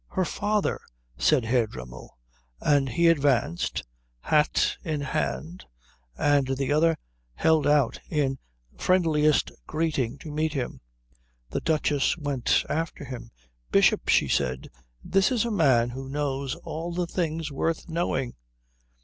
"Her father," said Herr Dremmel; and he advanced, hat in hand, and the other held out in friendliest greeting, to meet him. The Duchess went after him. "Bishop," she said, "this is a man who knows all the things worth knowing."